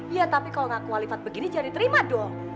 iya tapi kalau gak kualifat begini jangan diterima dong